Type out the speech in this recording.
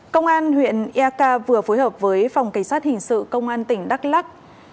công an huyện eak vừa phối hợp với phòng cảnh sát hình sự công an tỉnh đắk lắc